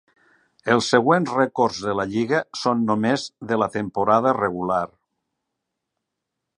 Els següents rècords de la lliga són només de la temporada regular.